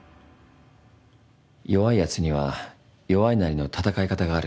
弱いやつには弱いなりの闘い方がある。